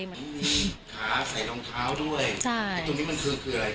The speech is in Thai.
ใครใช้รองเท้าด้วยตรงนี้มันคืออะไร